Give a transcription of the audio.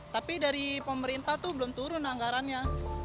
tapi dari pemerintah tuh belum turun anggarannya